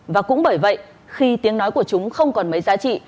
và cũng bởi vậy khi tiếng nói của chúng không còn mấy giá trị